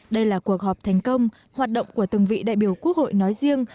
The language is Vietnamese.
đây là cuộc họp thành công hoạt động của từng vị đại biểu quốc hội nói riêng